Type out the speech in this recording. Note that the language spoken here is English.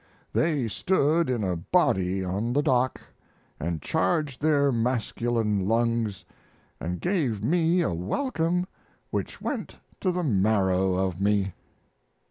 They stood in a body on the dock and charged their masculine lungs, and gave me a welcome which went to the marrow of me.